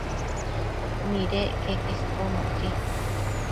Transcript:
Nidec queque isbonocqui